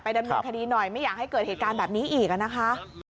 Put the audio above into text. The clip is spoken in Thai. ดำเนินคดีหน่อยไม่อยากให้เกิดเหตุการณ์แบบนี้อีกนะคะ